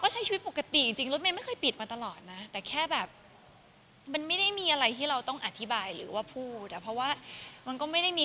ชัดเจนจริงอะไรแบบนี้